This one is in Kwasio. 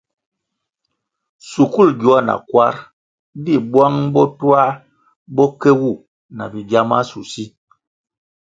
Shukul gyoa na kwar di bwang bo twā bo ke wu na bigya mashusi.